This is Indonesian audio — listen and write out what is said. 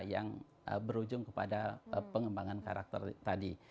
yang berujung kepada pengembangan karakter tadi